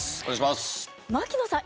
槙野さん